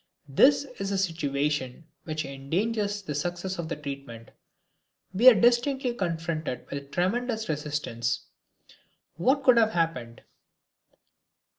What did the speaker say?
This is a situation which endangers the success of the treatment. We are distinctly confronted with a tremendous resistance. What can have happened?